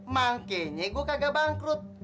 makanya gue kagak bangkrut